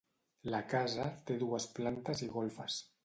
La casa té dues plantes i golfes.